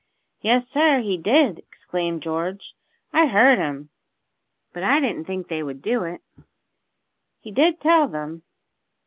"Yes, sir, he did!" exclaimed George. "I heard him, but I didn't think they would do it. He did tell them."